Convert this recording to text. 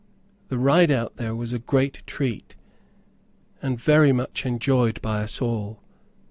The ride out there was a great treat, and very much enjoyed by us all.